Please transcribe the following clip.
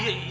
ya kan be